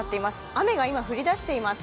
雨が今、降りだしています。